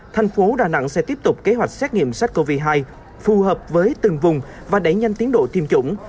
thành phố đà nẵng sẽ tiếp tục kế hoạch xét nghiệm sars cov hai phù hợp với từng vùng và đẩy nhanh tiến độ tiêm chủng